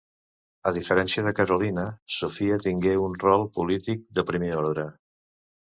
A diferència de Carolina, Sofia tingué un rol polític de primer ordre.